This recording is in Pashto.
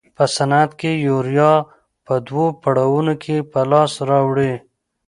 په صنعت کې یوریا په دوو پړاوونو کې په لاس راوړي.